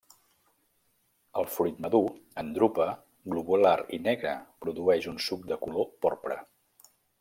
El fruit madur, en drupa, globular i negre, produeix un suc de color porpra.